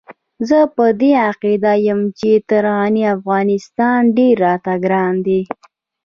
زه په دې عقيده يم چې تر غني افغانستان ډېر راته ګران دی.